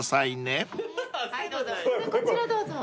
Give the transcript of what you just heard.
こちらどうぞ。